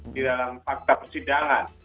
di dalam fakta persidangan